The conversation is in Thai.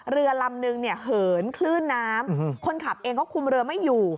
เรือลำนึงเนี่ยเหินคลื่นน้ำคนขับเองก็คุมเรือไม่อยู่